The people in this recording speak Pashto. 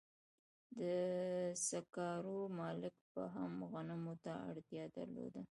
د سکارو مالک به هم غنمو ته اړتیا درلوده